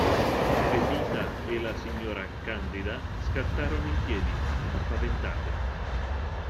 Pepita e la signora Candida scattarono in piedi, spaventate.